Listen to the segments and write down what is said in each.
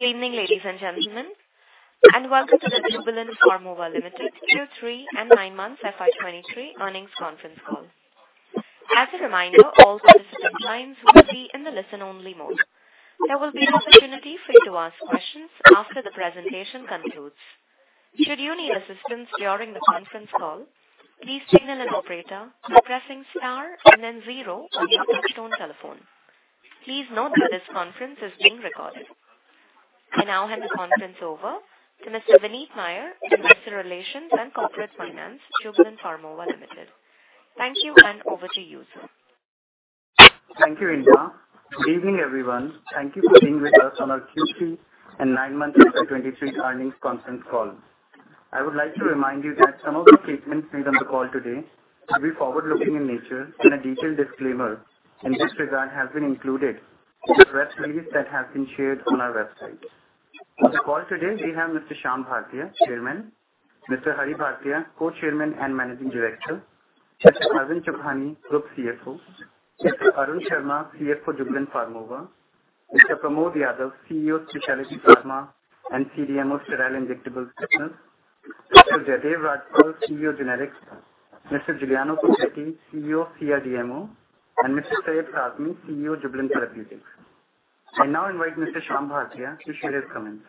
Good evening, ladies and gentlemen, and welcome to the Jubilant Pharmova Limited Q3 and nine months FY 2023 earnings conference call. As a reminder, all participant lines will be in the listen-only mode. There will be opportunity for you to ask questions after the presentation concludes. Should you need assistance during the conference call, please signal an operator by pressing star and then 0 on your touchtone telephone. Please note that this conference is being recorded. I now hand the conference over to Mr. Vineet Nair, Investor Relations and Corporate Finance, Jubilant Pharmova Limited. Thank you, and over to you, sir. Thank you, Operator. Good evening, everyone. Thank you for being with us on our Q3 and nine-month FY 2023 earnings conference call. I would like to remind you that some of the statements made on the call today will be forward-looking in nature and a detailed disclaimer in this regard have been included in the press release that has been shared on our website. On the call today, we have Mr. Shyam Bhartia, Chairman; Mr. Hari Bhartia, Co-Chairman and Managing Director; Mr. Mazen Chabani, Group CFO; Mr. Arun Sharma, CFO, Jubilant Pharmova; Mr. Pramod Yadav, CEO, Specialty Pharma and CDMO Sterile Injectables Business; Mr. Jaidev Rajpurohit, CEO, Generics; Mr. Giuliano Pozzatti, CEO, CDMO; and Mr. Syed Pradmin, CEO, Jubilant Therapeutics. I now invite Mr. Shyam Bhartia to share his comments.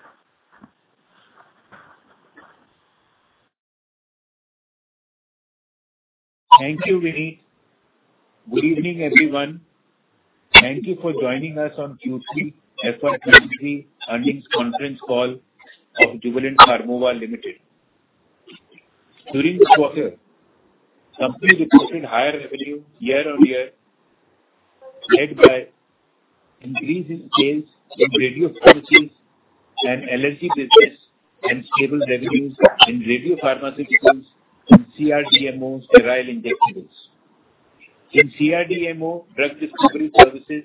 Thank you, Vineet. Good evening, everyone. Thank you for joining us on Q3 FY 2023 earnings conference call of Jubilant Pharmova Limited. During this quarter, company reported higher revenue year-on-year, led by increase in sales in radiopharmaceuticals and allergy business and stable revenues in radiopharmaceuticals and CDMO sterile injectables. In CDMO, drug discovery services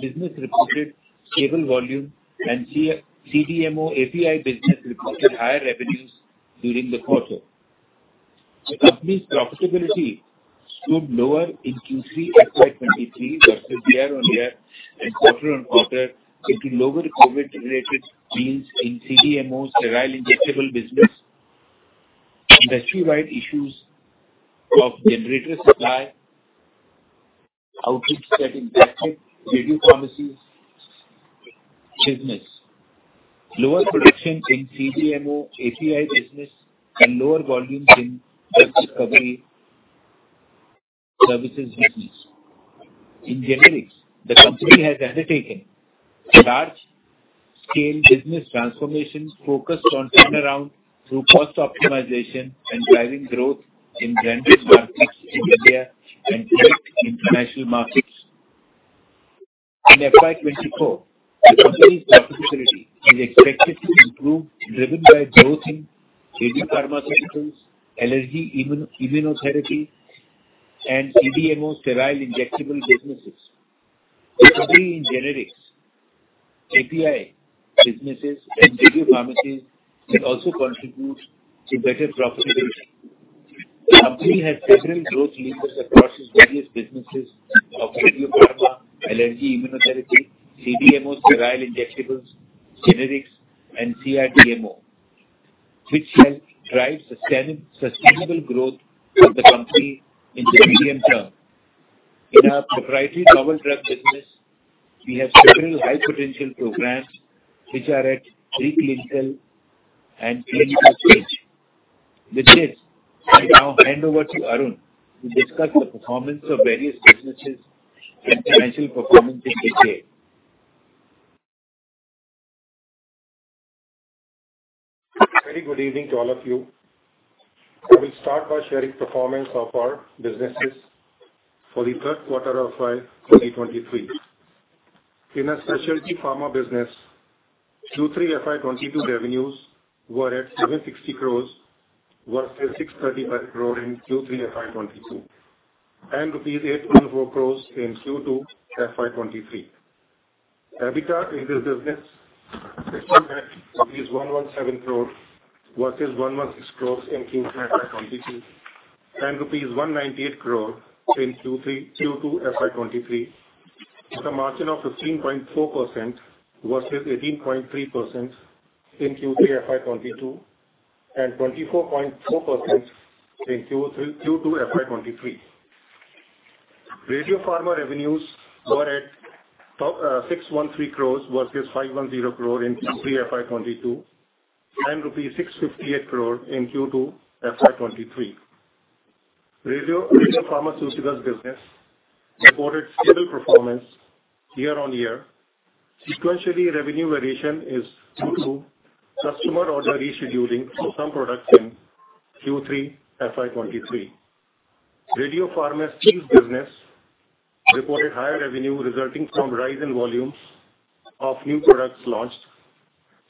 business reported stable volume and C-CDMO API business reported higher revenues during the quarter. The company's profitability stood lower in Q3 FY 2023 versus year-on-year and quarter-on-quarter due to lower COVID-related sales in CDMO sterile injectable business, industry-wide issues of generator supply, outputs that impacted radiopharmaceuticals business, lower production in CDMO API business and lower volumes in drug discovery services business. In generics, the company has undertaken large-scale business transformation focused on turnaround through cost optimization and driving growth in branded markets in India and growth in international markets. In FY 2024, the company's profitability is expected to improve, driven by growth in radiopharmaceuticals, allergy immunotherapy, and CDMO sterile injectable businesses. Particularly in generics, API businesses and radiopharmaceuticals can also contribute to better profitability. The company has several growth levers across its various businesses of radiopharma, allergy immunotherapy, CDMO sterile injectables, generics, and CDMO, which help drive sustainable growth of the company in the medium term. In our proprietary novel drug business, we have several high-potential programs which are at pre-clinical and clinical stage. With this, I now hand over to Arun to discuss the performance of various businesses and financial performance in detail. Very good evening to all of you. I will start by sharing performance of our businesses for the Q3 of FY 2023. In our Specialty Pharma business, Q3 FY 2022 revenues were at 760 crores versus 635 crore in Q3 FY 2022, and rupees 8.4 crores in Q2 FY 2023. EBITDA in this business stood at 117 crores versus 116 crores in Q3 FY 2022 and rupees 198 crore in Q2 FY 2023 with a margin of 15.4% versus 18.3% in Q3 FY 2022 and 24.4% in Q2 FY 2023. Radiopharma revenues were at top 613 crores versus 510 crore in Q3 FY 2022 and rupees 658 crore in Q2 FY 2023. Radiopharmaceuticals business reported stable performance year-on-year. Sequentially, revenue variation is due to customer order rescheduling for some products in Q3 FY 2023. Radiopharmacies business reported higher revenue resulting from rise in volumes of new products launched.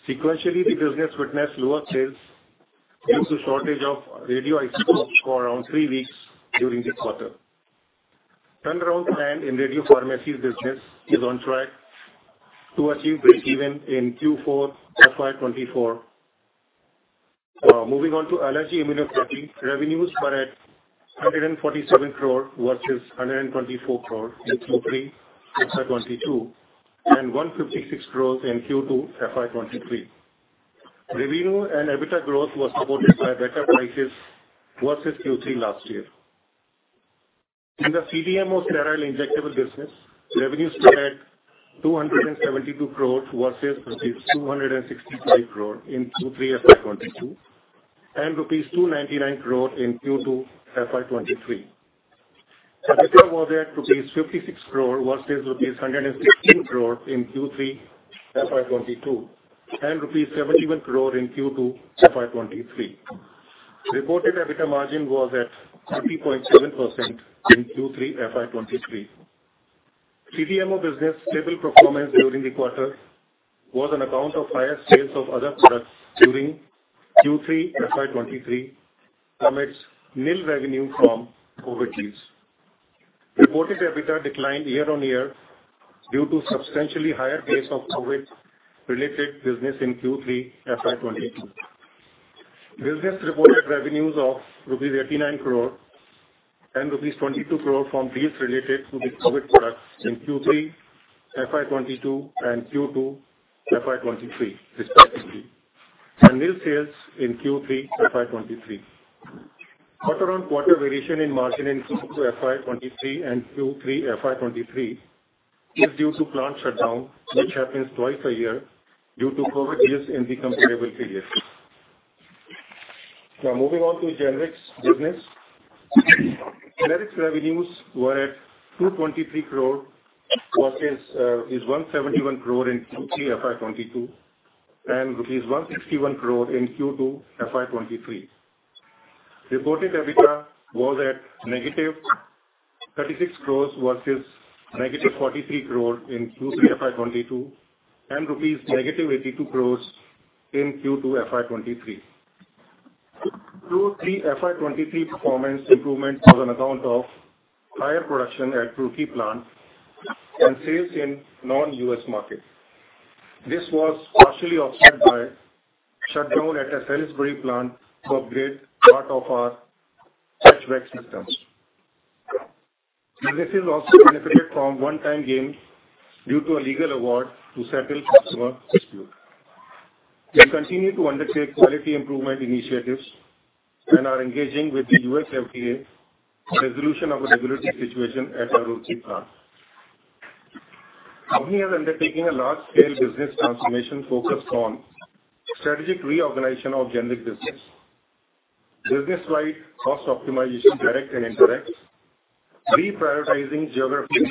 Sequentially, the business witnessed lower sales due to shortage of radioisotopes for around three weeks during this quarter. Turnaround plan in radiopharmacies business is on track to achieve breakeven in Q4 FY 2024. Moving on to allergy immunotherapy. Revenues were at 147 crore versus 124 crore in Q3 FY 2022, and 156 crores in Q2 FY 2023. Revenue and EBITDA growth was supported by better prices versus Q3 last year. In the CDMO sterile injectable business, revenues were at 272 crore versus rupees 265 crore in Q3 FY 2022, and rupees 299 crore in Q2 FY 2023. EBITDA was at rupees 56 crore versus rupees 116 crore in Q3 FY 2022, and rupees 71 crore in Q2 FY 2023. Reported EBITDA margin was at 30.7% in Q3 FY 2023. CDMO business stable performance during the quarter was on account of higher sales of other products during Q3 FY 2023 amidst nil revenue from Covid deals. Reported EBITDA declined year-on-year due to substantially higher base of Covid-related business in Q3 FY 2022. Business reported revenues of rupees 89 crore and rupees 22 crore from deals related to the Covid products in Q3 FY 2022 and Q2 FY 2023, respectively, and nil sales in Q3 FY 2023. Quarter-on-quarter variation in margin in Q2 FY 2023 and Q3 FY 2023 is due to plant shutdown, which happens twice a year due to Covid deals in the comparable period. Moving on to generics business. Generics revenues were at 223 crore versus is 171 crore in Q3 FY 2022 and rupees 161 crore in Q2 FY 2023. Reported EBITDA was at -36 crore versus -43 crore in Q3 FY 2022 and -82 crore rupees in Q2 FY 2023. Q3 FY 2023 performance improvement was on account of higher production at Roorkee plant and sales in non-U.S. markets. This was partially offset by shutdown at our Salisbury plant to upgrade part of our HVAC systems. The business also benefited from one-time gain due to a legal award to settle customer dispute. We continue to undertake quality improvement initiatives and are engaging with the U.S. FDA for resolution of a regulatory situation at our Roorkee plant. Company is undertaking a large-scale business transformation focused on strategic reorganization of Generics business-wide cost optimization, direct and indirect, reprioritizing geographies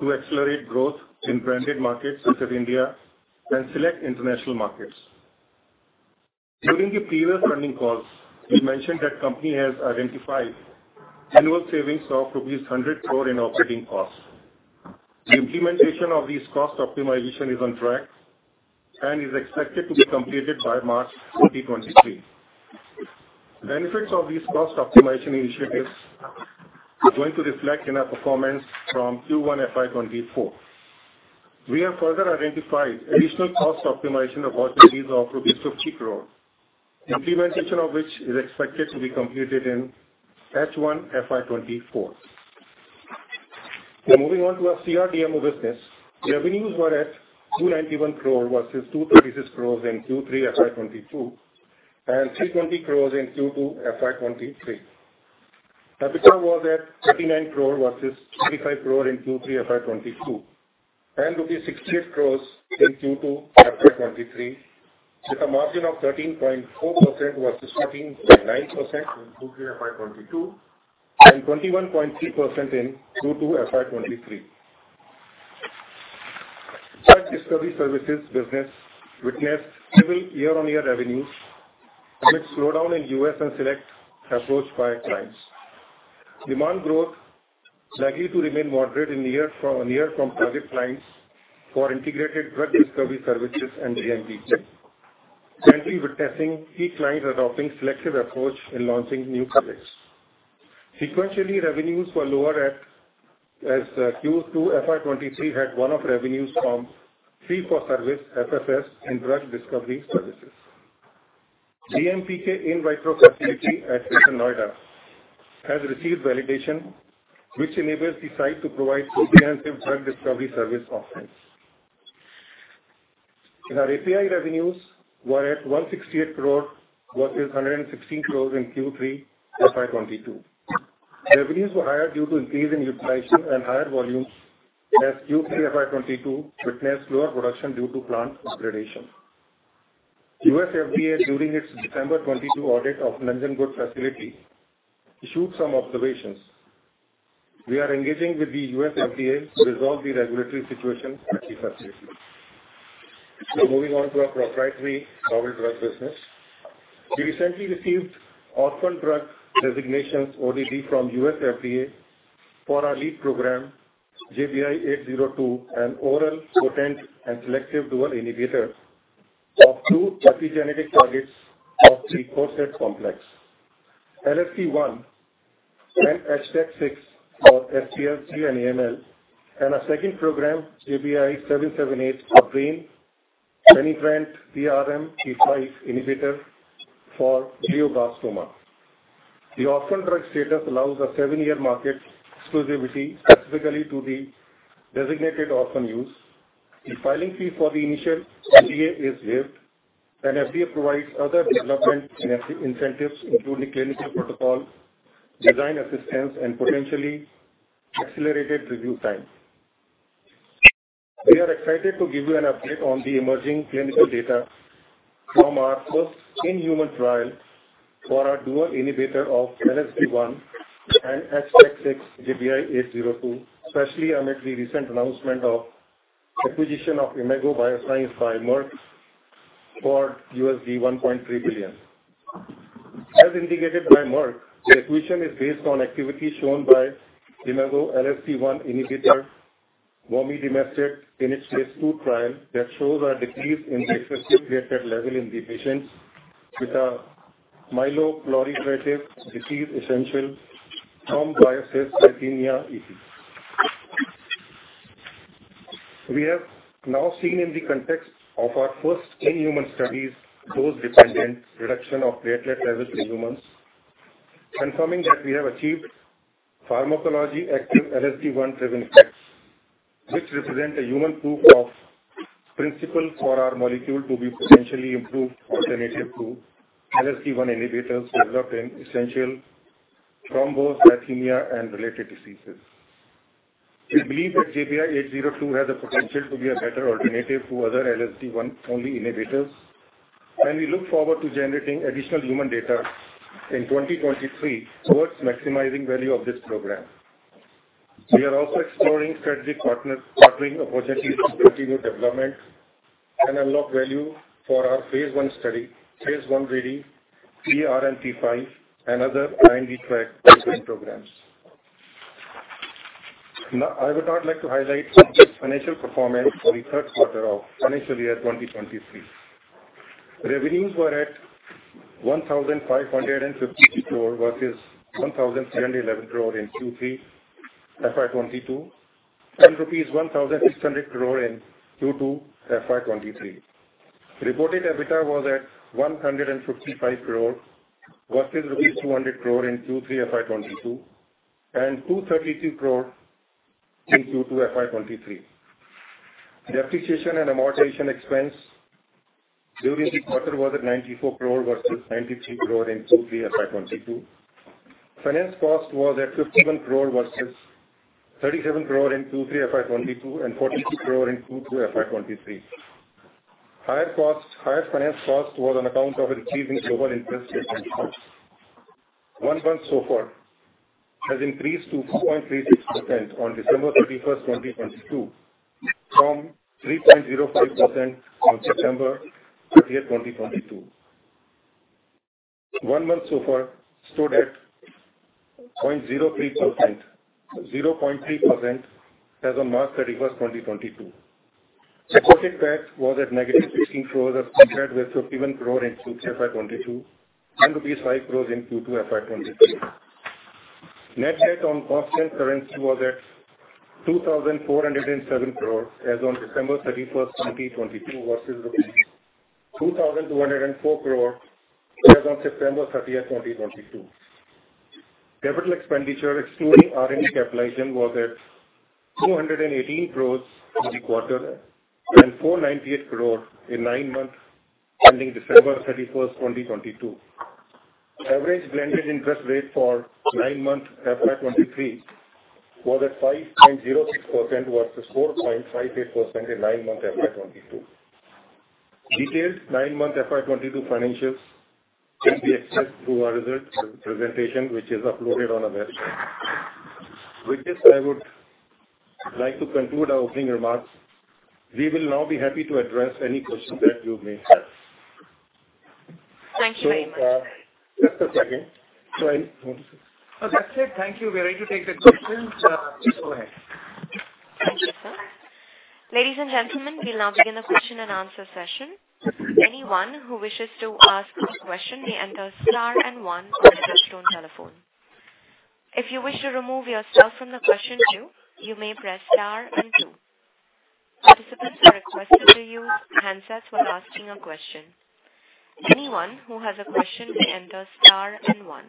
to accelerate growth in branded markets such as India and select international markets. During the previous earning calls, we mentioned that company has identified annual savings of INR 100 crore in operating costs. The implementation of these cost optimization is on track and is expected to be completed by March 2023. Benefits of these cost optimization initiatives are going to reflect in our performance from Q1 FY 2024. We have further identified additional cost optimization opportunities of INR 50 crore, implementation of which is expected to be completed in H1 FY 2024. Moving on to our CRDMO business. Revenues were at 291 crore versus 236 crore in Q3 FY 2022, and 320 crore in Q2 FY 2023. EBITDA was at 39 crore versus 25 crore in Q3 FY 2022, and rupees 68 crore in Q2 FY 2023, with a margin of 13.4% versus 13.9% in Q3 FY 2022 and 21.3% in Q2 FY 2023. Drug discovery services business witnessed stable year-on-year revenues amidst slowdown in U.S. and select approach by clients. Demand growth likely to remain moderate in the year from target clients for integrated drug discovery services and DMPK. Currently, we're testing key clients adopting selective approach in launching new products. Sequentially, revenues were lower as Q2 FY 2023 had one-off revenues from fee for service, FFS, and drug discovery services. DMPK in vitro facility at Greater Noida has received validation which enables the site to provide comprehensive drug discovery service offerings. Our API revenues were at 168 crore versus 116 crores in Q3 FY 2022. Revenues were higher due to increase in utilization and higher volumes as Q3 FY 2022 witnessed lower production due to plant upgradation. US FDA, during its December 2022 audit of Nanjangud facility, issued some observations. We are engaging with the US FDA to resolve the regulatory situation at the facility. Moving on to our proprietary novel drug business. We recently received Orphan Drug Designation, ODD, from US FDA for our lead program, JBI-802, an oral potent and selective dual inhibitor of two epigenetic targets of the polycomb repressive complex, LSD1 and HDAC6 for SCLC and AML. Our second program, JBI-778 for brain penetrant PRMT5 inhibitor for glioblastoma. The orphan drug status allows a 7-year market exclusivity specifically to the designated orphan use. The filing fee for the initial NDA is waived, and FDA provides other development incentives, including clinical protocol, design assistance, and potentially accelerated review time. We are excited to give you an update on the emerging clinical data from our first in-human trial for our dual inhibitor of LSD1 and HDAC6, JBI-802, especially amid the recent announcement of acquisition of Imago BioSciences by Merck for $1.3 billion. As indicated by Merck, the acquisition is based on activity shown by Imago LSD1 inhibitor, bomedemstat, in its phase II trial that shows a decrease in the receptor-created level in the patients with a myeloproliferative disease essential thrombocythemia, ET. We have now seen in the context of our first in-human studies, dose-dependent reduction of platelet levels in humans, confirming that we have achieved pharmacology active LSD1-driven effects, which represent a human proof of principle for our molecule to be potentially improved alternative to LSD1 inhibitors developed in essential thrombocythemia and related diseases. We believe that JBI-802 has the potential to be a better alternative to other LSD1-only inhibitors. We look forward to generating additional human data in 2023 towards maximizing value of this program. We are also exploring strategic partnering opportunities to continue development and unlock value for our phase I study, phase I-ready PRMT5 and other R&D track programs. I would now like to highlight financial performance for the Q3 of financial year 2023. Revenues were at 1,552 crore versus 1,311 crore in Q3 FY 2022, and rupees 1,600 crore in Q2 FY 2023. Reported EBITDA was at 155 crore versus rupees 200 crore in Q3 FY 2022 and 232 crore in Q2 FY 2023. Depreciation and amortization expense during the quarter was at 94 crore versus 93 crore in Q3 FY 2022. Finance cost was at 51 crore versus 37 crore in Q3 FY 2022 and 42 crore in Q2 FY 2023. Higher costs, higher finance costs was on account of achieving lower interest rate. One month SOFR has increased to 4.36% on December 31st, 2022 from 3.05% on September 30th, 2022. 1 month SOFR stood at 0.03%, 0.3% as on March 31st, 2022. Reported tax was at -16 crore as compared with 51 crore in Q3 FY 2022 and rupees 5 crores in Q2 FY 2023. Net debt on constant currency was at 2,407 crore as on December 31st, 2022 versus rupees 2,204 crore as on September 30th, 2022. Capital expenditure excluding R&D capitalization was at 218 crores in the quarter and 498 crore in nine months ending December 31st, 2022. Average blended interest rate for nine-month FY 2023 was at 5.06% versus 4.58% in nine-month FY 2022. Detailed nine-month FY 2022 financials can be accessed through our presentation which is uploaded on our website. With this, I would like to conclude our opening remarks. We will now be happy to address any questions that you may have. Thank you very much. Just a second. Sorry, one second. Okay. That's it. Thank you. We are ready to take the questions. Please go ahead. Thank you, sir. Ladies and gentlemen, we'll now begin the question and answer session. Anyone who wishes to ask a question may enter star and one on their touch-tone telephone. If you wish to remove yourself from the question queue, you may press star and two. Participants are requested to use handsets when asking a question. Anyone who has a question may enter star and one.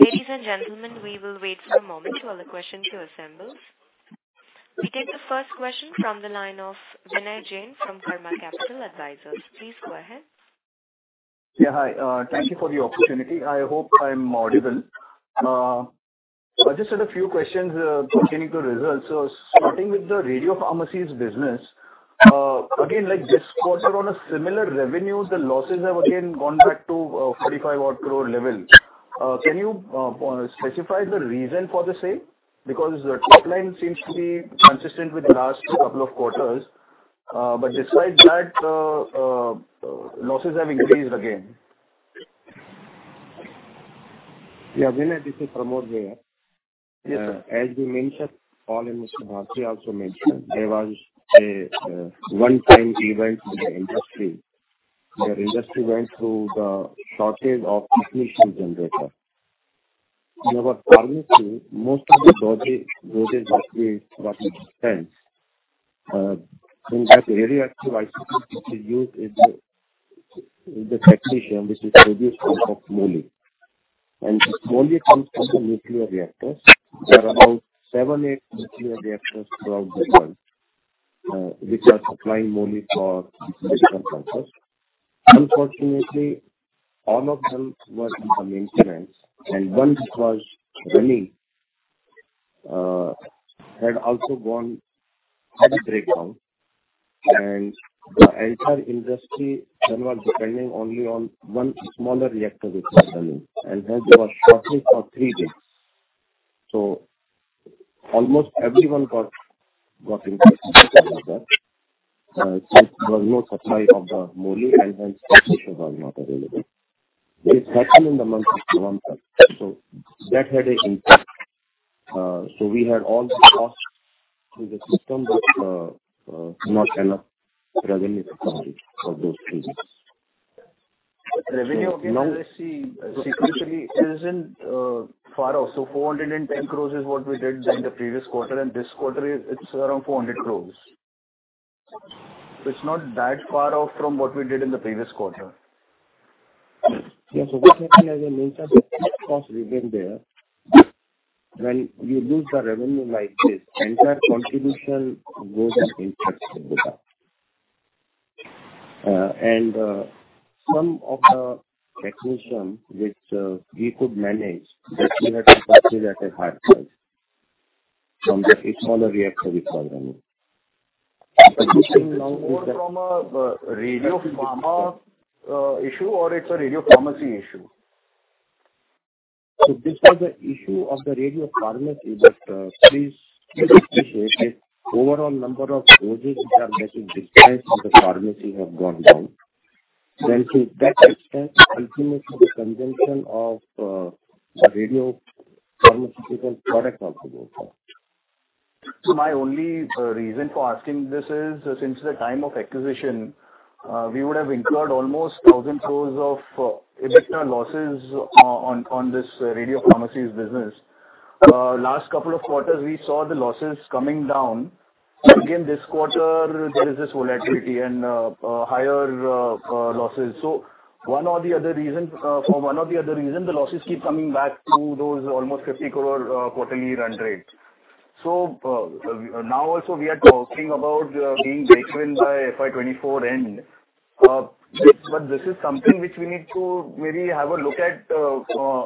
Ladies and gentlemen, we will wait for a moment while the questions queue assembles. We take the first question from the line of Vinay Jain from Karma Capital Advisors. Please go ahead. Yeah. Hi. Thank you for the opportunity. I hope I'm audible. I just had a few questions pertaining to results. Starting with the radiopharmaceuticals business, again, like this quarter on a similar revenues, the losses have again gone back to 45 odd crore level. Can you specify the reason for the same? The top line seems to be consistent with the last couple of quarters, despite that, losses have increased again. Yeah. Vinay, this is Pramod here. Yeah. As we mentioned, all in Mr. Bhartia also mentioned, there was a one time event in the industry, where industry went through the shortage of technetium generator. In our pharmacy, most of the dosage that we dispense in that radioactive isotope which we use is the Technetium, which is produced out of Molybdenum. Molybdenum comes from the nuclear reactors. There are about seven, eight nuclear reactors throughout the world, which are supplying Molybdenum for different purposes. Unfortunately, all of them were under maintenance, and one which was running had a breakdown. The entire industry then was depending only on one smaller reactor which was running, and hence there was shortage for three days. Almost everyone got impacted because of that. There was no supply of the Molybdenum and hence technetium was not available. This happened in the month of November, so that had a impact. We had all the costs through the system, but not enough revenue to cover it for those three weeks. Revenue again, as I see sequentially isn't far off. 410 crore is what we did in the previous quarter, and this quarter it's around 400 crore. It's not that far off from what we did in the previous quarter. Yes. Obviously, as I mentioned, fixed costs remain there. When you lose the revenue like this, entire contribution goes on impact in the result. Some of the Technetium which we could manage, that we had to purchase at a higher price from the smaller reactor which was running. Is this more from a radiopharma issue or it's a radiopharmacy issue? This was an issue of the radiopharmacy that, please keep appreciating overall number of doses which are getting dispensed from the pharmacy have gone down. To that extent, ultimately the consumption of the radiopharmaceutical product also goes down. My only reason for asking this is since the time of acquisition, we would have incurred almost 1,000 crore of EBITDA losses on this radiopharmacies business. Last couple of quarters, we saw the losses coming down. Again this quarter there is this volatility and higher losses. One or the other reason, for one or the other reason, the losses keep coming back to those almost 50 crore quarterly run rate. Now also we are talking about being breakeven by FY 2024 end. This is something which we need to maybe have a look at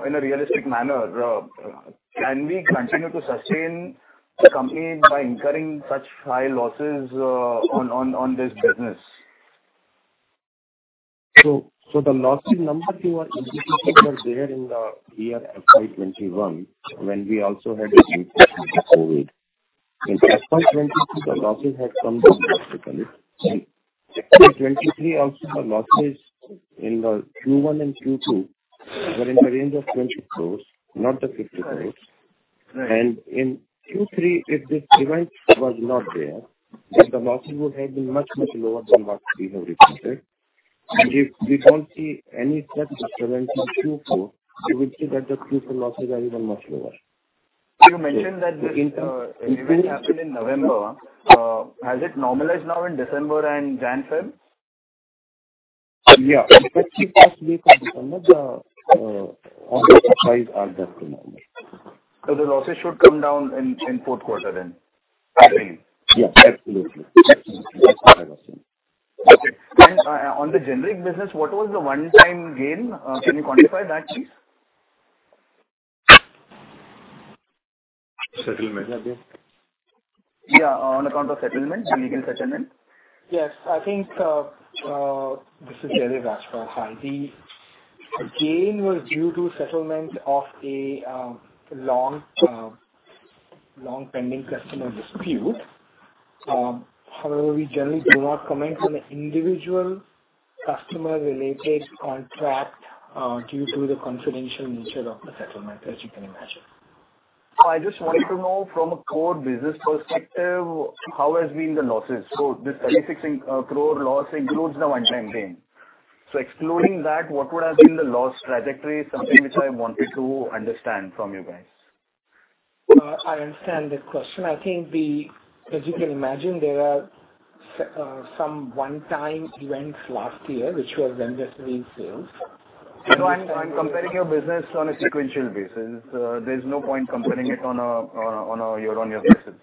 in a realistic manner. Can we continue to sustain the company by incurring such high losses on this business? The losses numbers you are indicating were there in the year FY 2021, when we also had a disruption due to COVID. In FY 2022, the losses had come down drastically. In FY 2023 also the losses in the Q1 and Q2 were in the range of 20 crores, not the 50 crores. Right. In Q3, if this event was not there, then the losses would have been much, much lower than what we have reported. If we don't see any such disturbance in Q4, you will see that the Q4 losses are even much lower. You mentioned that this event happened in November. Has it normalized now in December and January, February? Yeah. First two, three weeks of December the order supplies are back to normal. The losses should come down in Q4 then, I think. Yeah, absolutely. That's my assumption. Okay. On the generic business, what was the one-time gain? Can you quantify that please? Settlement. Yeah, on account of settlement, the legal settlement. Yes. I think this is Arvind Chokhany. Hi. The gain was due to settlement of a long pending customer dispute. However, we generally do not comment on the individual customer related contract due to the confidential nature of the settlement, as you can imagine. I just wanted to know from a core business perspective, how has been the losses? This 36 crore loss includes the one-time gain. Excluding that, what would have been the loss trajectory? Something which I wanted to understand from you guys. I understand the question. I think As you can imagine, there are some one-time events last year which was when this No, I'm comparing your business on a sequential basis. There's no point comparing it on a year-on-year basis.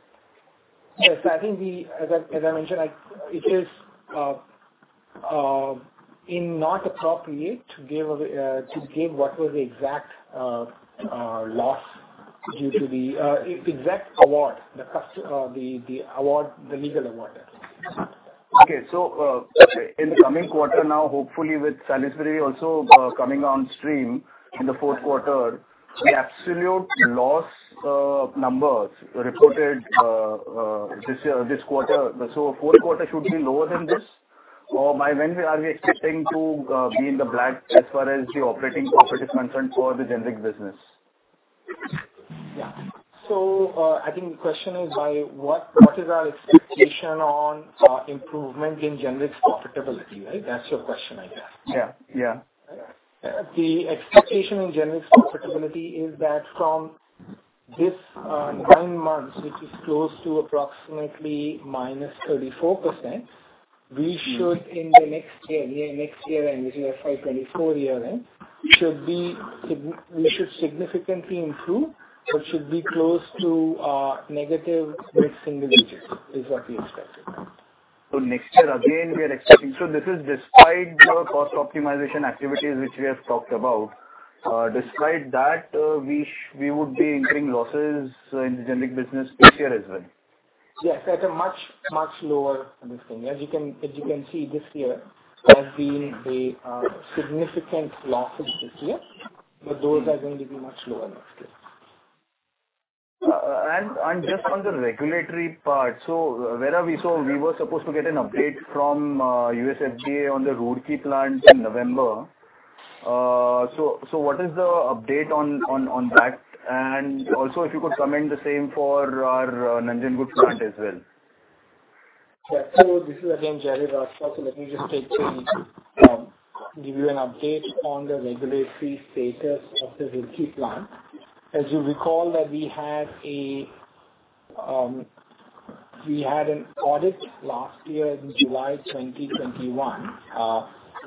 Yes. I think As I mentioned, it is not appropriate to give what was the exact loss due to the exact award, the award, the legal award, yeah. In the coming quarter now, hopefully with Salisbury also coming on stream in the Q4, the absolute loss numbers reported this year, this quarter, so Q4 should be lower than this? By when we are we expecting to be in the black as far as the operating profit is concerned for the generic business? Yeah. I think the question is by what is our expectation on improvement in generic's profitability, right? That's your question, I guess. Yeah. Yeah. The expectation in generics' profitability is that from this, nine months, which is close to approximately -34%, we should in the next year, next year end, which is our FY 2024 year end, should be we should significantly improve. It should be close to negative mid-single digits, is what we expected. Next year again we are expecting. This is despite your cost optimization activities which we have talked about, despite that, we would be incurring losses in the generic business this year as well. Yes, at a much lower understanding. As you can see, this year has been a significant loss of this year. Those are going to be much lower next year. Just on the regulatory part, where are we? We were supposed to get an update from US FDA on the Roorkee plant in November. What is the update on that? Also if you could comment the same for our Nanjangud plant as well. Yeah. This is again, Jaidev Rajpal. Let me just take to give you an update on the regulatory status of the Roorkee plant. As you recall that we had an audit last year in July 2021,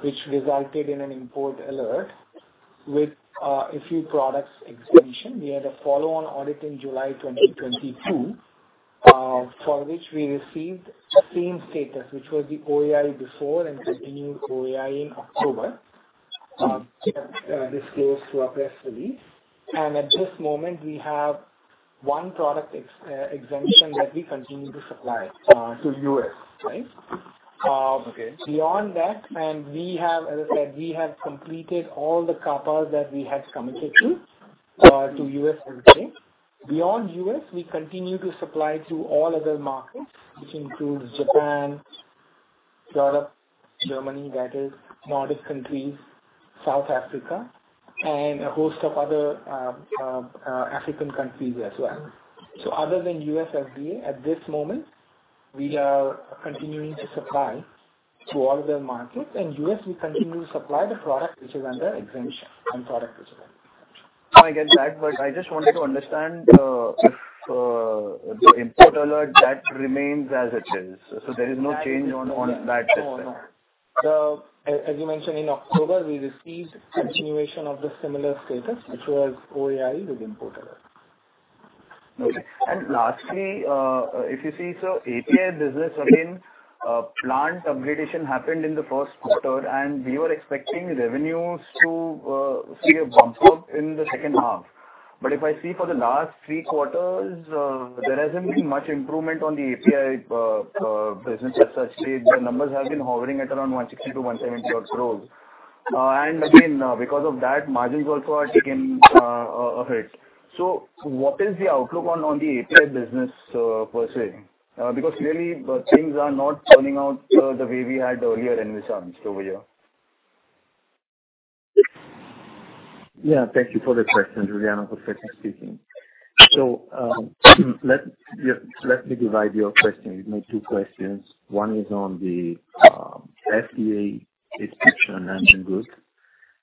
which resulted in an import alert with a few products exemption. We had a follow-on audit in July 2022, for which we received same status, which was the OAI before and continuing OAI in October, disclosed through our press release. At this moment, we have one product exemption that we continue to supply to US, right? Okay. Beyond that, we have, as I said, we have completed all the CAPA that we had committed to US FDA. Beyond US, we continue to supply to all other markets, which includes Japan, Europe, Germany, that is, Nordic countries, South Africa, and a host of other African countries as well. Other than US FDA, at this moment, we are continuing to supply to all other markets, and US we continue to supply the product which is under exemption. I get that, but I just wanted to understand if the import alert remains as it is. There is no change on that system. No, no. As you mentioned, in October, we received continuation of the similar status, which was OAI with import alert. Okay. Lastly, if you see, sir, API business again, plant upgradation happened in the Q1, and we were expecting revenues to see a bump up in the H2. If I see for the last three quarters, there hasn't been much improvement on the API business as such. The numbers have been hovering at around 160-170 odd crores. Again, because of that, margins also are taking a hit. What is the outlook on the API business per se? Because really the things are not turning out the way we had earlier envisioned over here. Yeah. Thank you for the question. Giuliano Perfetti speaking. Let me divide your question into two questions. One is on the FDA inspection Nanjangud,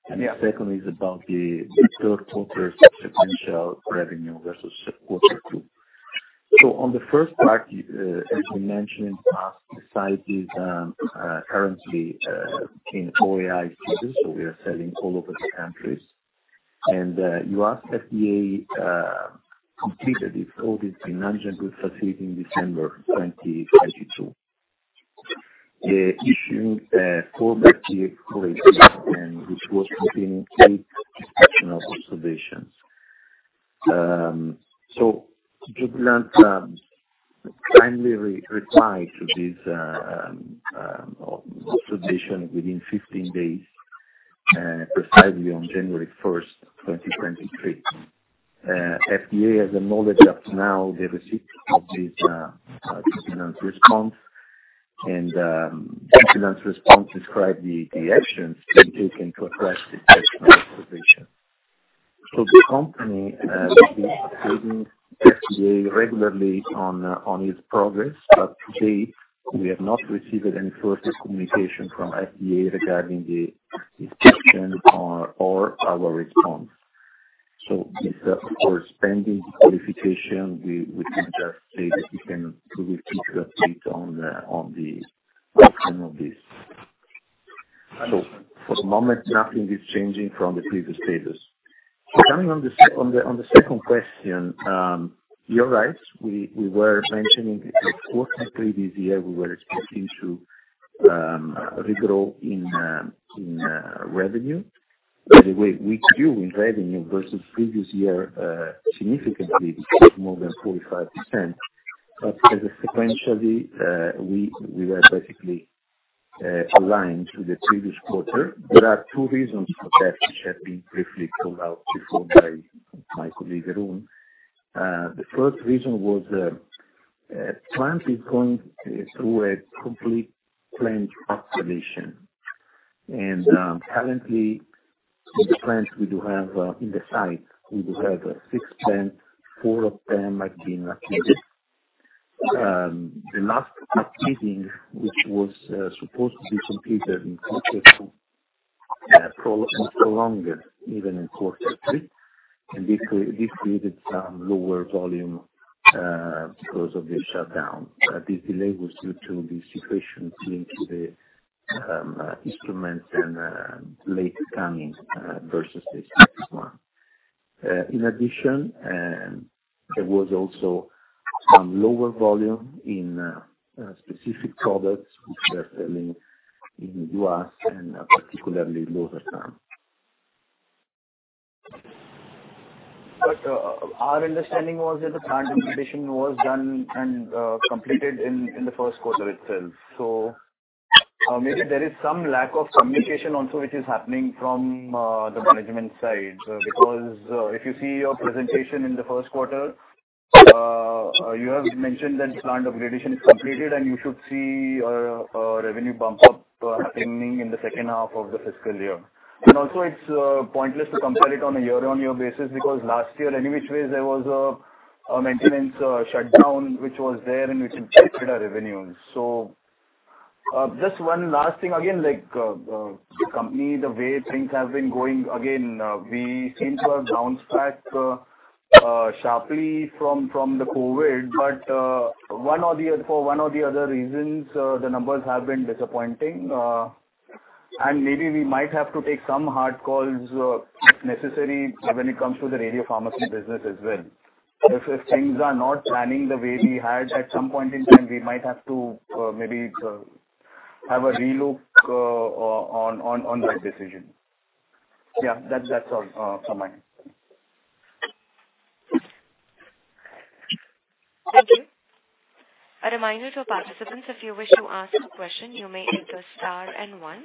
and the second is about the Q3 sequential revenue versus Q2. On the first part, as we mentioned in the past, the site is currently in OAI status, so we are selling all over the countries. US FDA completed its audit in Nanjangud facility in December 2022, issuing a Form 483, which was containing eight exceptional observations. Jubilant kindly replied to this observation within 15 days, precisely on January 1, 2023. FDA has acknowledged up to now the receipt of this Jubilant's response. Jubilant's response described the actions being taken to address the exceptional observation. The company is updating FDA regularly on its progress, but to date we have not received any further communication from FDA regarding the inspection or our response. With the corresponding qualification, we can just say that we cannot provide further update on the outcome of this. For the moment, nothing is changing from the previous status. Coming on the second question, you're right. We were mentioning in Q3 this year we were expecting to regrow in revenue. By the way we grew in revenue versus previous year significantly, more than 45%. As a sequentially, we were basically aligned to the previous quarter. There are two reasons for that which have been briefly called out before by my colleague, Arun. The first reason was, plant is going through a complete plant upgradation. Currently in the plant we do have, in the site, we do have 6 plant, four of them are being upgraded. The last upgrading, which was supposed to be completed in Q2, prolonged even in Q3. This created some lower volume because of the shutdown. This delay was due to the situations linked to the instruments and late coming versus this one. In addition, there was also some lower volume in specific products which we are selling in U.S. and particularly lower down. Our understanding was that the plant upgradation was done and completed in the Q1 itself. Maybe there is some lack of communication also which is happening from the management side. If you see your presentation in the Q1, you have mentioned that plant upgradation is completed and you should see a revenue bump up happening in the H2 of the fiscal year. It's pointless to compare it on a year-over-year basis, because last year any which ways there was a maintenance shutdown which was there and which impacted our revenue. Just one last thing again, like company, the way things have been going again, we seem to have bounced back sharply from the COVID. For one or the other reasons, the numbers have been disappointing. Maybe we might have to take some hard calls, if necessary when it comes to the radiopharmacy business as well. If things are not planning the way we had, at some point in time, we might have to, maybe, have a relook, on that decision. Yeah, that's all from my end. Thank you. A reminder to participants, if you wish to ask a question, you may enter star and one.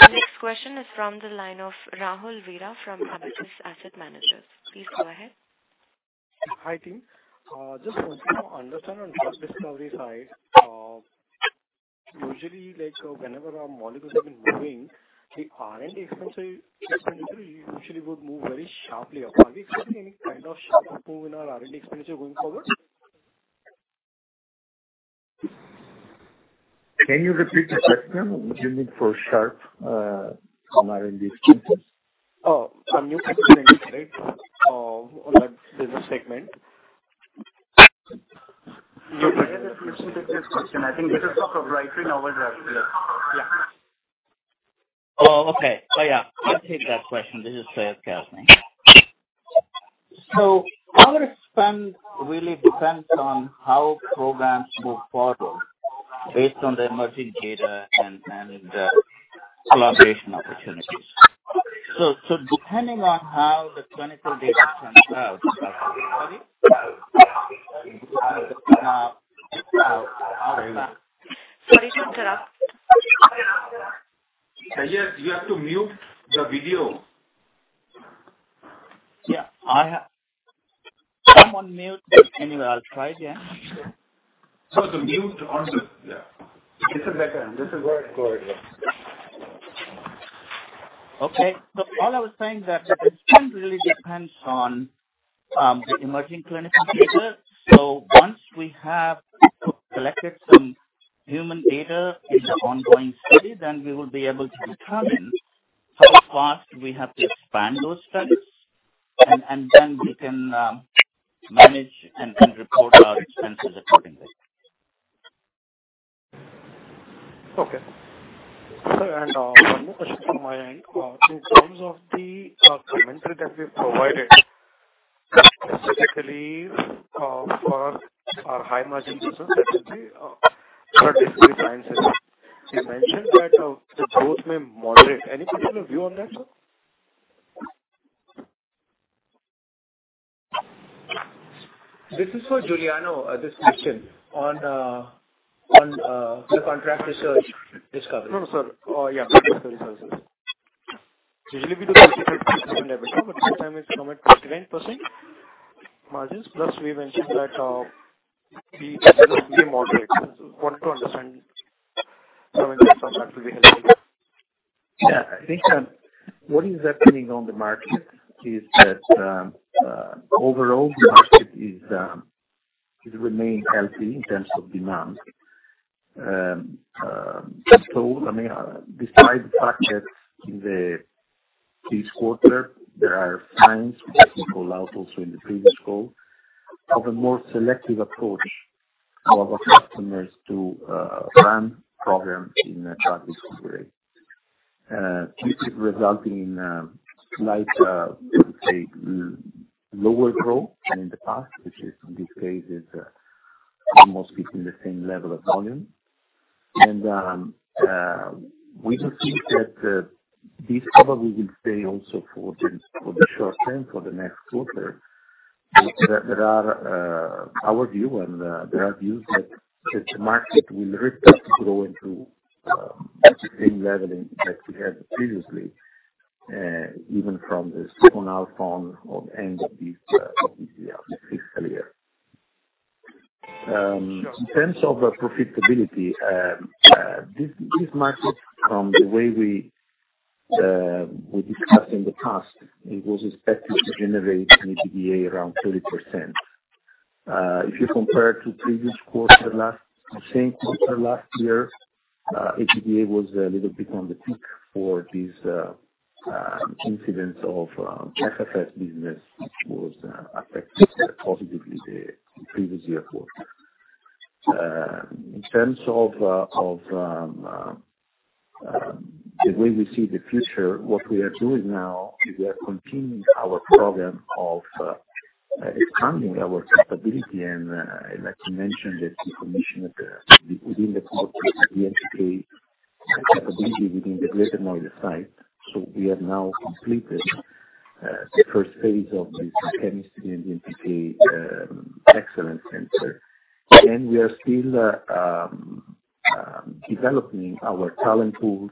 Our next question is from the line of Rahul Vira from Abakkus Asset Manager. Please go ahead. Hi, team. Just wanted to understand on drug discovery side, usually like whenever our molecules have been moving, the R&D expenses usually would move very sharply up. Are we expecting any kind of sharp move in our R&D expenditure going forward? Can you repeat the question? What do you mean for sharp, on R&D expenses? Oh, some new. [inaudible] Our spend really depends on how programs move forward based on the emerging data and the collaboration opportunities. Depending on how the clinical data turns out. Sorry. Sorry to interrupt. Syed, you have to mute your video. Yeah, I'm on mute. Anyway, I'll try again. So to mute on the- Yeah. This is better. This is very clear, yeah. Okay. All I was saying is that the spend really depends on the emerging clinical data. Once we have collected some human data in the ongoing study, then we will be able to determine how fast we have to expand those studies. Then we can manage and report our expenses accordingly. Okay. One more question from my end. In terms of the commentary that we have provided, specifically, for our high margin business, that will be contract research. You mentioned that the growth may moderate. Any particular view on that, sir? This is for Giuliano, this question on, the contract research discovery. No, no, sir. Yeah, contract research. Usually we do 50%-60% revenue, but this time it's somewhere at 49% margins. We mentioned that the growth will be moderate. Wanted to understand some insights on that will be helpful. Yeah, I think, what is happening on the market is that, overall the market is remaining healthy in terms of demand. I mean, despite the fact that in the this quarter there are signs which I can call out also in the previous call of a more selective approach of our customers to run programs in contract research. This is resulting in a slight, let's say, lower growth than in the past, which is in this case is almost between the same level of volume. We do think that this probably will stay also for the short term, for the next quarter. There are our view and there are views that the market will restart to grow into the same level that we had previously, even from the H2 on or end of this year, this fiscal year. In terms of profitability, this market, from the way we discussed in the past, it was expected to generate an EBITDA around 30%. If you compare to The same quarter last year, EBITDA was a little bit on the peak for this incident of FFS business, which was affected positively the previous year quarter. In terms of the way we see the future, what we are doing now is we are continuing our program of expanding our capability. Like you mentioned, the commission of the NPT capability within the Greater Noida site. We have now completed the phase I of the chemistry and NPT excellence center. We are still developing our talent pools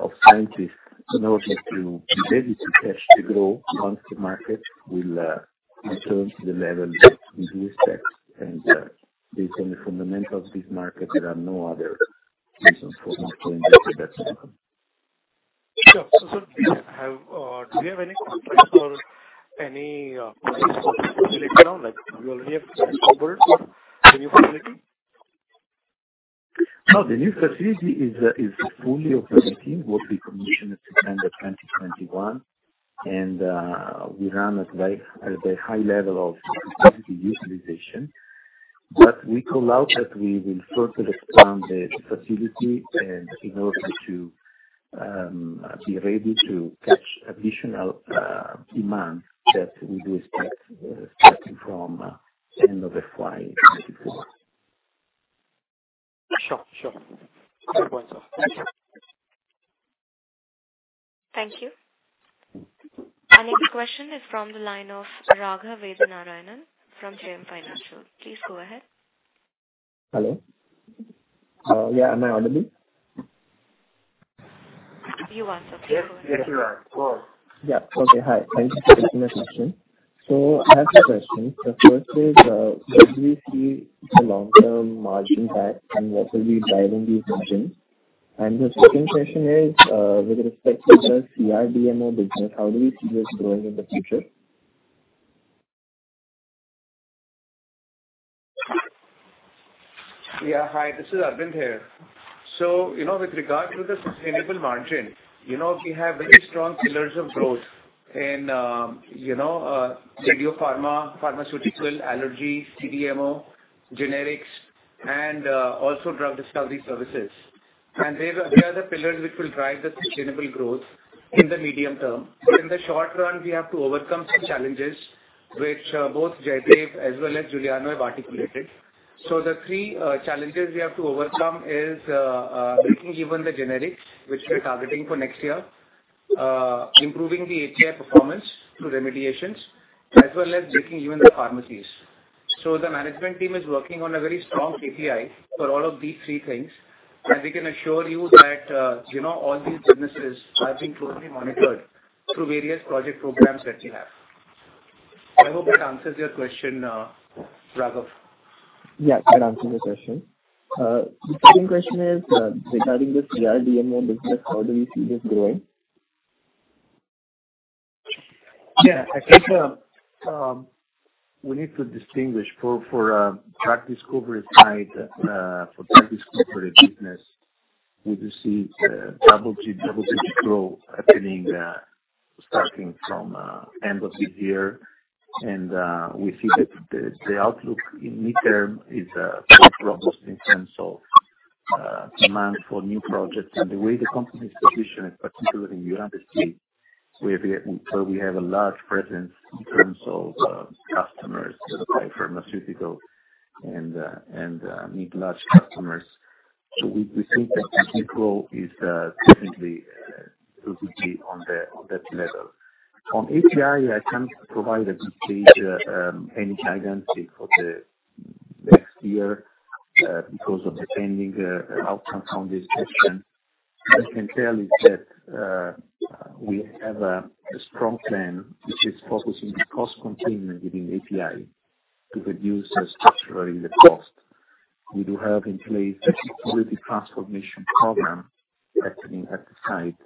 of scientists in order to be ready to catch the growth once the market will return to the level that we do expect. Based on the fundamentals of this market, there are no other reasons for investing at that time. Sure. Do you have any plans to expand like you already have in Roorkee the new facility? No, the new facility is fully operating. It was commissioned at September 2021, and we run at a high level of capacity utilization. We call out that we will further expand the facility and in order to be ready to catch additional demand that we do expect starting from end of FY 2024. Sure. Sure. Good points. Thank you. Thank you. Our next question is from the line of Raghav Vedanarayanan from JM Financial. Please go ahead. Hello. yeah. Am I audible? You are, sir. Please go ahead. Yes. Yes, you are. Go on. Yeah. Okay. Hi. Thanks for taking my question. I have two questions. The first is, where do you see the long-term margin back and what will be driving these margins? The second question is, with respect to the CRDMO business, how do you see this growing in the future? Yeah, hi. This is Arvind here. You know, with regard to the sustainable margin, you know, we have very strong pillars of growth in, you know, radiopharma, pharmaceutical, allergy, CDMO, generics and also drug discovery services. They are the pillars which will drive the sustainable growth in the medium term. In the short run, we have to overcome some challenges which both Jaidev as well as Giuliano have articulated. The three challenges we have to overcome is breaking even the generics, which we're targeting for next year, improving the API performance through remediations, as well as breaking even the pharmacies. The management team is working on a very strong KPI for all of these three things. We can assure you that, you know, all these businesses are being closely monitored through various project programs that we have. I hope that answers your question, Raghav. That answers the question. The second question is, regarding the CRDMO business, how do you see this growing? Yeah. I think we need to distinguish for drug discovery side, for drug discovery business, we do see double digit growth happening starting from end of this year. We see that the outlook in midterm is quite robust in terms of demand for new projects and the way the company is positioned, particularly in United States. We have a large presence in terms of customers that are biopharmaceutical and need large customers. We think that the growth is definitely on that level. On API, I can't provide a detailed any guidance for the next year because of the pending outcome from this question. What I can tell is that, we have a strong plan which is focusing on cost containment within API to reduce structurally the cost. We do have in place a security transformation program happening at the site.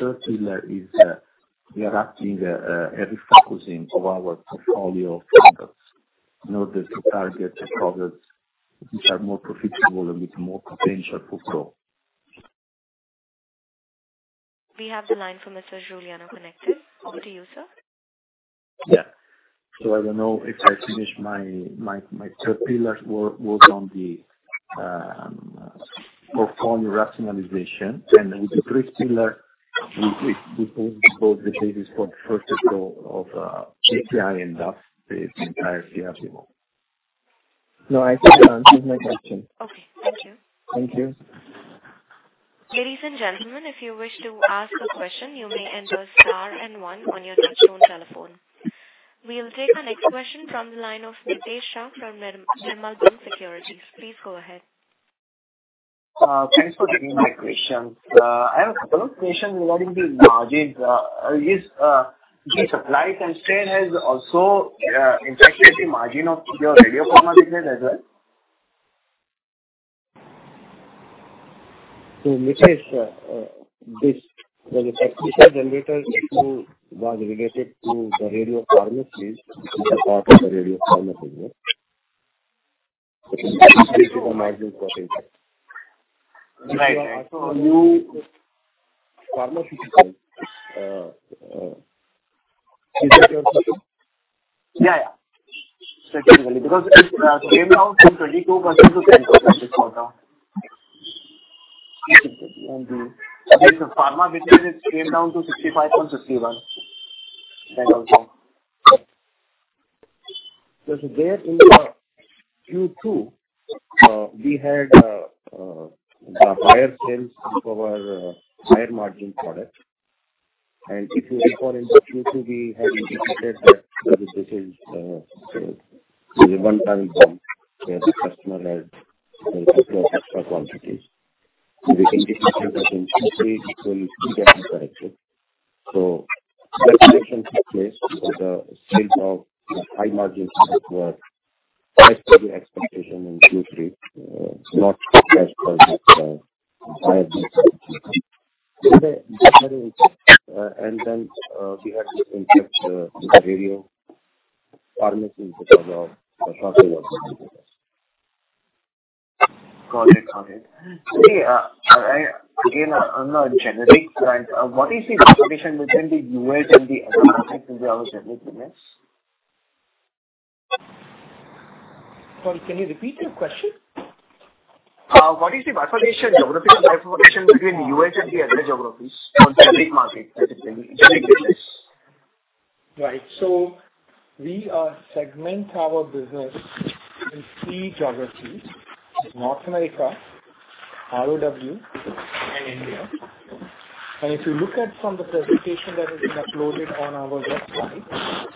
Third pillar is, we are acting a refocusing of our portfolio of products in order to target products which are more profitable and with more potential for growth. We have the line for Mr. Giuliano connected. Over to you, sir. Yeah. I don't know if I finished my third pillar worked on the portfolio rationalization. With the third pillar we build the basis for the first of all of API and DDDS, the entire CRDMO. No, I think that answers my question. Okay. Thank you. Thank you. Ladies and gentlemen, if you wish to ask a question, you may enter star and one on your touchtone telephone. We'll take the next question from the line of Mitesh Shah from the Nirmal Bang Equities. Please go ahead. Thanks for taking my question. I have a couple of questions regarding the margins. The supply constraint has also impacted the margin of your radiopharmaceuticals as well? Mitesh, well, the technetium generator issue was related to the radiopharmaceuticals, which is a part of the radiopharmaceuticals business. You- Pharmaceutical. Uh, uh. Yeah, yeah. Technically, because it came down from 22% to 10% this quarter. The pharma business came down to 65.61%. That also. There in the Q2, we had the higher sales of our higher margin product. If you recall in the Q2, we had indicated that this is a one-time bump, where the customer had, you know, booked for extra quantities. We had indicated that in Q3 it will again correct it. That correction took place because the sales of high-margin products were less than the expectation in Q3. Then we had this impact with the radiopharmaceuticals because of the shortage of some products. Got it. I again, on the generic side, what is the differentiation between the US and the other geographies of your generic business? Sorry, can you repeat your question? What is the geographical differentiation between U.S. and the other geographies for generic market, basically. Generics. We segment our business in three geographies, North America, ROW, and India. If you look at from the presentation that has been uploaded on our website,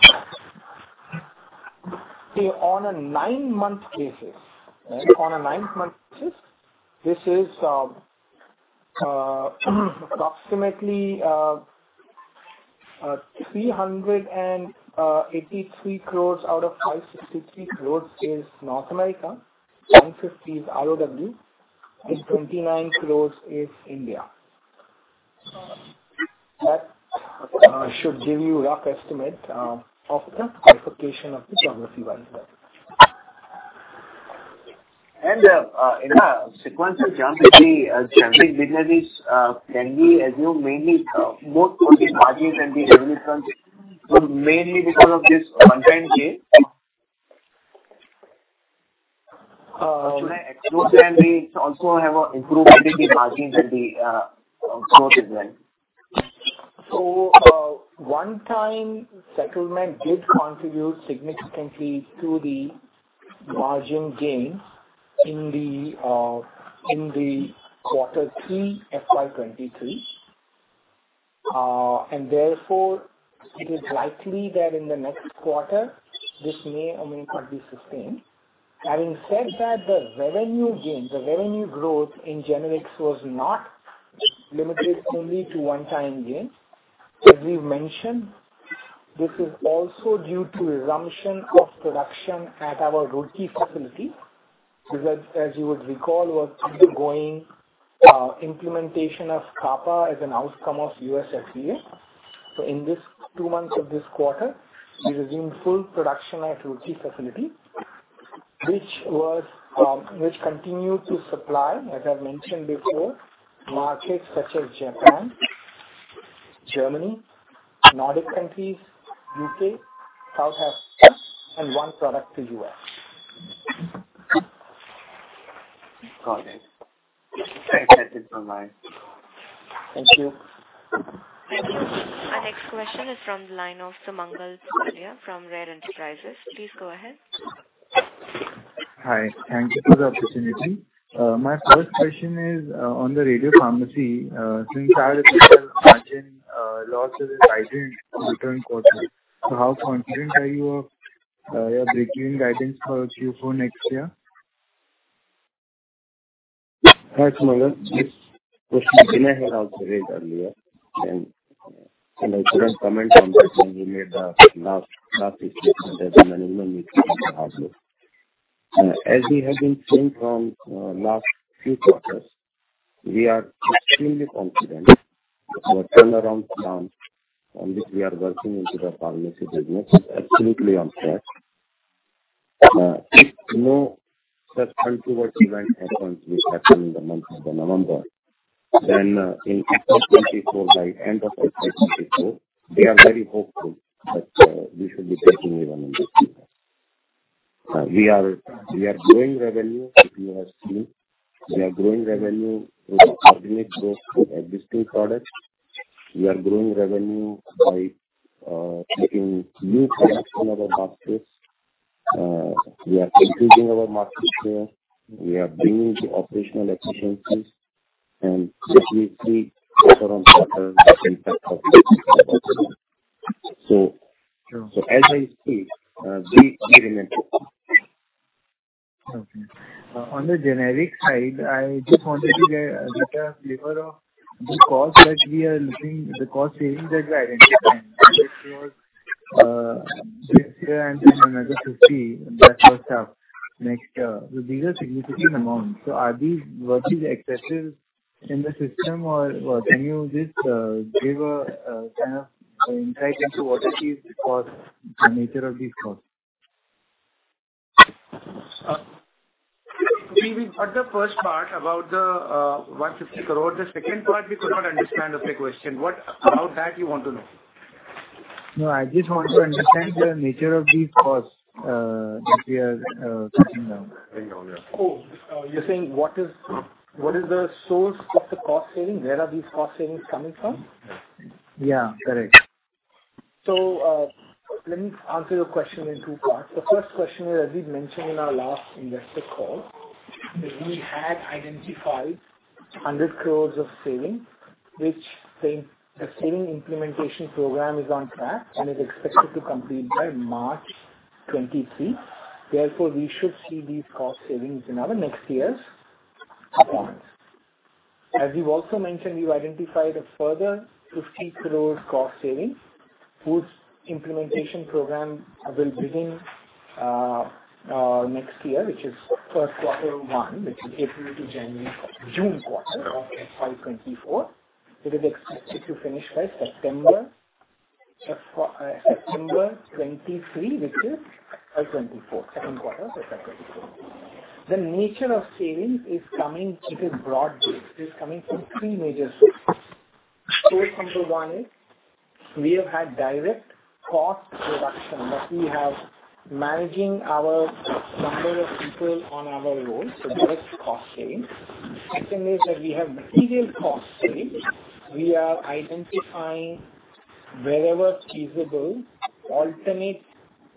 on a 9-month basis, this is approximately 383 crores out of 563 crores is North America. 950 crores is ROW and 29 crores is India. That should give you rough estimate of the diversification of the geography-wise. In a sequential terms, the generic business, can we assume mainly both for the margins and the revenue front, so mainly because of this one-time gain? Uh. Should I exclude that and we also have improvement in the margins and the growth as well? One-time settlement did contribute significantly to the margin gains in Q3 FY 2023. Therefore, it is likely that in the next quarter this may or may not be sustained. Having said that, the revenue gain, the revenue growth in generics was not limited only to one-time gain. As we've mentioned, this is also due to resumption of production at our Roorkee facility. As you would recall, was undergoing implementation of CAPA as an outcome of US FDA. In this two months of this quarter, we resumed full production at Roorkee facility, which continued to supply, as I've mentioned before, markets such as Japan, Germany, Nordic countries, UK, South Africa and one product to US. Got it. That's it from my end. Thank you. Thank you. Our next question is from the line of Sumangal Pugalia from RaRe Enterprises. Please go ahead. Hi. Thank you for the opportunity. My first question is on the radiopharmacy. Since I recall margin loss is guided in the current quarter. How confident are you of your breakeven guidance for Q4 next year? Hi, Sumangal. This question Vinay had also raised earlier, I couldn't comment on that when he made the last week at the management meeting also. As we have been saying from last few quarters, we are extremely confident the turnaround plan on which we are working into the pharmacy business is absolutely on track. If no such untoward event happens which happened in the month of November, in FY 2024, by end of FY 2024, we are very hopeful that we should be breaking even in this business. We are growing revenue as you have seen. We are growing revenue through organic growth with existing products. We are growing revenue by taking new products in our baskets. we are increasing our market share. We are bringing the operational efficiencies and significantly Sure. as I see, we remain Okay. on the generic side, I just wanted to get a flavor of the cost that we are looking, the cost savings that we are identifying. This year and another INR 50 that was up next year. These are significant amounts. Are these virtually excesses in the system or what? Can you just, give a, kind of insight into what are these costs, the nature of these costs? We heard the first part about the 150 crore. The second part we could not understand the question. What about that you want to know? I just want to understand the nature of these costs, that we are cutting down. Oh. You're saying what is the source of the cost saving? Where are these cost savings coming from? Yeah, correct. Let me answer your question in two parts. The first question is, as we've mentioned in our last investor call, that we had identified 100 crore of savings, which the saving implementation program is on track and is expected to complete by March 2023. Therefore, we should see these cost savings in our next year's performance. As we've also mentioned, we've identified a further 50 crore cost savings, whose implementation program will begin next year, which is first Q1, which is April to June quarter of FY 2024. It is expected to finish by September 2023, which is FY 2024. Q2 of FY 2024. The nature of savings is coming. It is broad-based. It is coming from three major sources. Source number one is we have had direct cost reduction, that we have managing our number of people on our roll, so direct cost savings. Second is that we have material cost savings. We are identifying wherever feasible alternate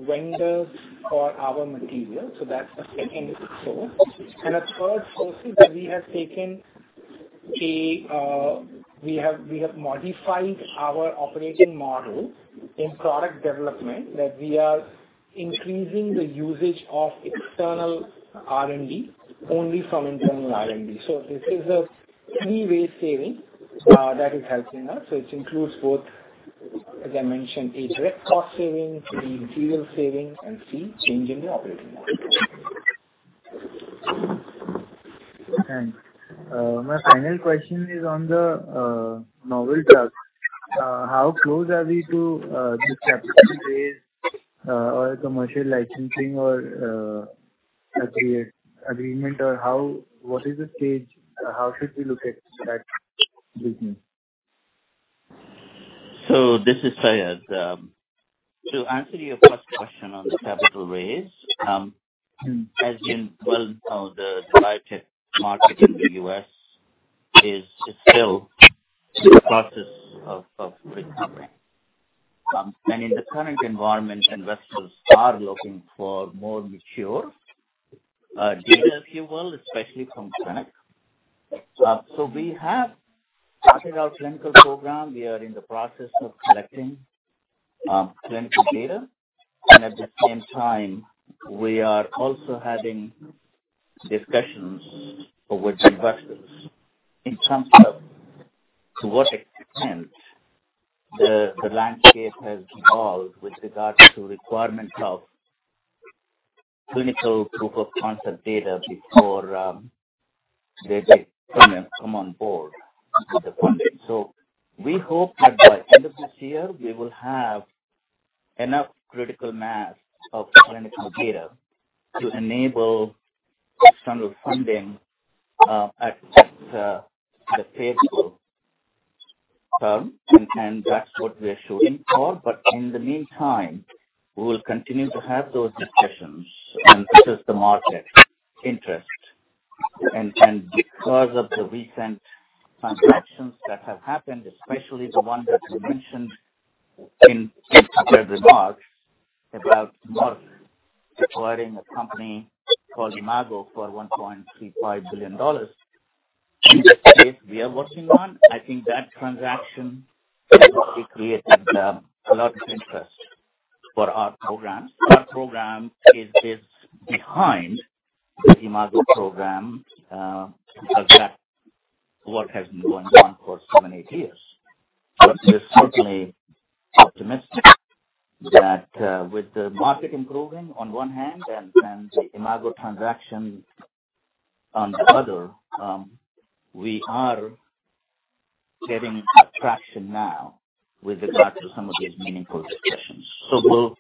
vendors for our material, so that's the second source. The third source is that we have taken a, we have modified our operating model in product development, that we are increasing the usage of external R&D only from internal R&D. This is a three-way saving that is helping us. It includes both, as I mentioned, a direct cost saving, the material savings and C, change in the operating model. Thanks. My final question is on the novel drug. How close are we to this capital raise or commercial licensing or agreement? What is the stage? How should we look at that business? This is Syed. To answer your first question on the capital raise, as you well know, the biotech market in the US is still in the process of recovering. In the current environment, investors are looking for more mature data, if you will, especially from clinic. We have started our clinical program. We are in the process of collecting clinical data, and at the same time we are also having discussions with investors in terms of to what extent the landscape has evolved with regards to requirements of clinical proof of concept data before they come on board with the funding. We hope that by end of this year we will have enough critical mass of the clinical data to enable external funding, at a favorable term, and that's what we are shooting for. In the meantime, we will continue to have those discussions and assess the market interest. Because of the recent transactions that have happened, especially the one that you mentioned in Tucker's remarks about Merck acquiring a company called Imago for $1.35 billion, in the space we are working on, I think that transaction has created a lot of interest for our programs. Our program is behind the Imago program, as that work has been going on for seven, eight years. We're certainly optimistic that, with the market improving on one hand and the Imago transaction on the other, we are getting traction now with regard to some of these meaningful discussions. We'll,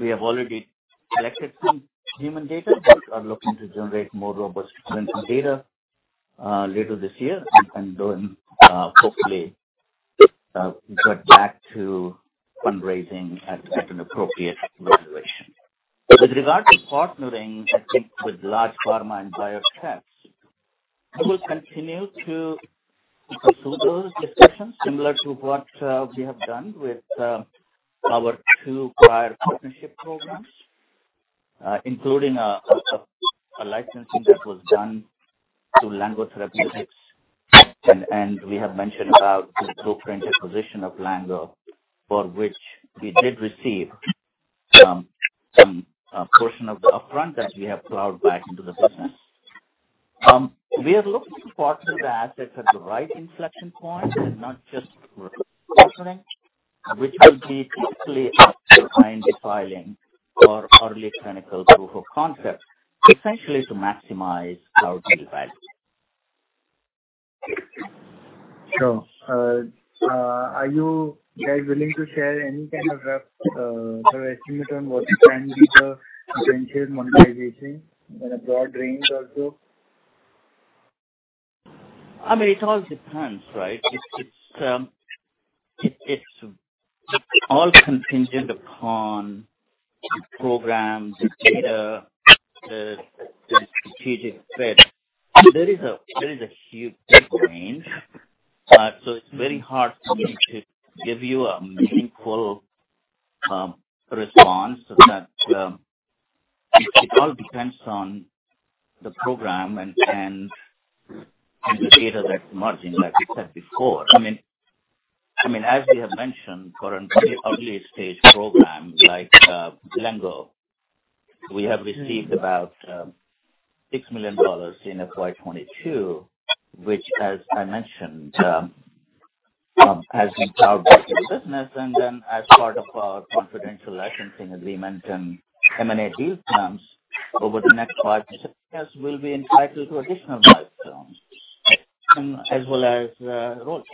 we have already collected some human data, but are looking to generate more robust clinical data later this year and then, hopefully, get back to fundraising at an appropriate valuation. With regard to partnering, I think with large pharma and biotechs we will continue to pursue those discussions similar to what we have done with our two prior partnership programs, including a licensing that was done through Lengo Therapeutics. We have mentioned about the throughput acquisition of Lengo, for which we did receive some portion of the upfront that we have plowed back into the business. We are looking to partner the assets at the right inflection point and not just for partnering, which will be typically after IND filing or early clinical proof of concept, essentially to maximize our deal value. Sure. Are you guys willing to share any kind of rough estimate on what can be the potential monetization in a broad range also? I mean, it all depends, right? It's all contingent upon the program, the data, the strategic fit. There is a huge range. It's very hard for me to give you a meaningful response but it all depends on the program and the data that's emerging like we said before. I mean, as we have mentioned for an early stage program like Lengo, we have received about $6 million in FY 2022, which as I mentioned, has been plowed back to the business. As part of our confidential licensing agreement and M&A deal terms, over the next 5 years we'll be entitled to additional milestones and as well as royalties.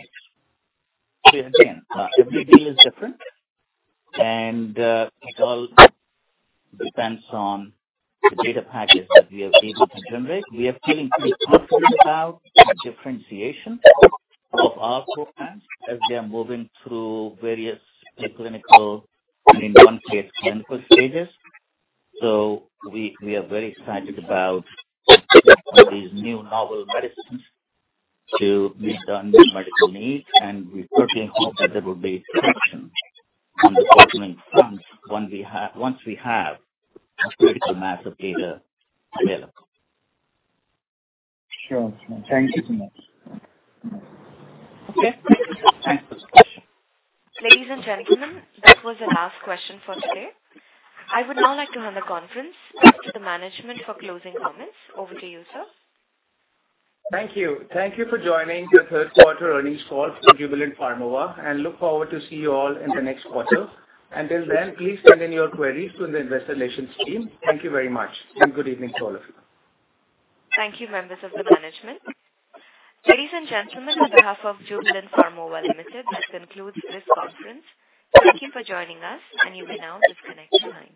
Every deal is different and, it all depends on the data packages that we are able to generate. We are feeling pretty confident about the differentiation of our programs as they are moving through various preclinical and in some case clinical stages. We are very excited about these new novel medicines to meet the unmet medical needs, and we certainly hope that there will be traction on the partnering front once we have a critical mass of data available. Sure. Thank you so much. Okay. Thanks for the question. Ladies and gentlemen, that was the last question for today. I would now like to hand the conference back to the management for closing comments. Over to you, sir. Thank you. Thank you for joining the Q3 earnings call for Jubilant Pharmova. Look forward to see you all in the next quarter. Until then, please send in your queries to the investor relations team. Thank you very much and good evening to all of you. Thank you, members of the management. Ladies and gentlemen, on behalf of Jubilant Pharmova Limited, this concludes this conference. Thank you for joining us, and you may now disconnect your lines.